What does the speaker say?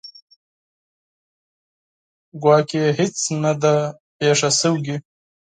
ګواکې هیڅ نه ده پېښه شوې.